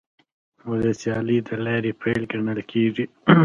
دا د سیالۍ د لارې پیل ګڼل کیږي